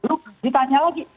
lalu ditanya lagi